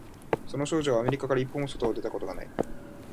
その少女はアメリカから一歩も外に出たことがない